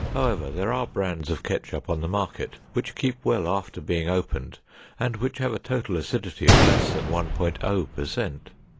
However, there are brands of ketchup on the market which keep well after being opened and which have a total acidity of less than 1.0 per cent.